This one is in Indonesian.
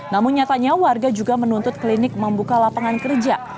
namun nyatanya warga juga menuntut klinik membuka lapangan kerja